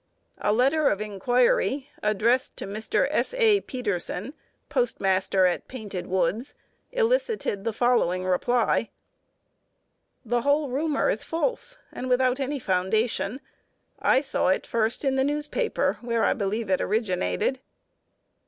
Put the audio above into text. A letter of inquiry, addressed to Mr. S. A. Peterson, postmaster at Painted Woods, elicited the following reply: "The whole rumor is false, and without any foundation. I saw it first in the newspaper, where I believe it originated."